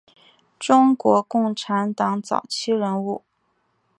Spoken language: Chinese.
中国共产党早期人物。